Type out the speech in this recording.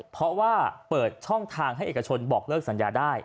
เพราะว่าเปิดช่องทางให้เอกชนบอกเลิกสัญญาได้